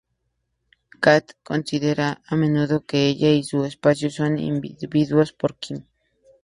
Kath considera a menudo que ella y su espacio son invadidos por Kim.